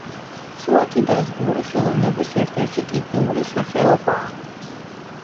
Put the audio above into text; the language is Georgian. სურათი დაზგური ხელოვნების ერთ-ერთი ტიპური სახეობაა.